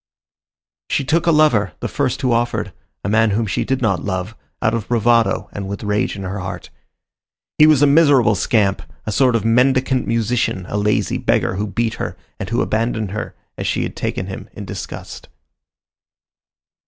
She took a lover, the first who offered, a man whom she did not love, out of bravado and with rage in her heart. He was a miserable scamp, a sort of mendicant musician, a lazy beggar, who beat her, and who abandoned her as she had taken him, in disgust.